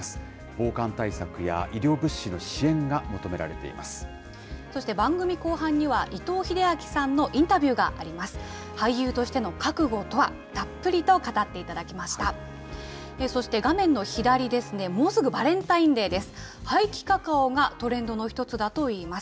防寒対策や医療物資の支援が求めそして番組後半には、伊藤英明さんのインタビューがあります。